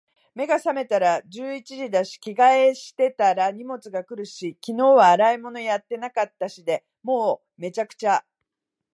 目が覚めたら十一時だし、着替えしてたら荷物が来るし、昨日は洗い物やってなかったしで……もう、滅茶苦茶。